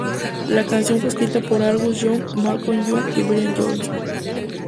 La canción fue escrita por Angus Young, Malcolm Young y Brian Johnson.